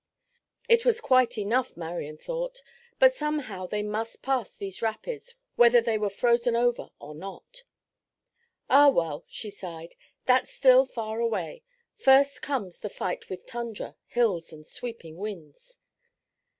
It was quite enough, Marian thought; but somehow they must pass these rapids whether they were frozen over or not. "Ah, well," she sighed, "that's still far away. First comes the fight with tundra, hills and sweeping winds."